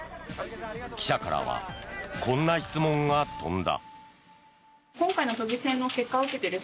記者からはこんな質問が飛んだ。